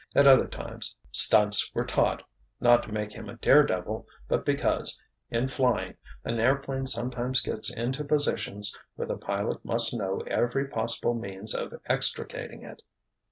At other times "stunts" were taught, not to make him a daredevil, but because, in flying, an airplane sometimes gets into positions where the pilot must know every possible means of extricating it.